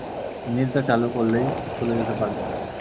ইঞ্জিনটা চালু করলেই চলে যেতে পারবে।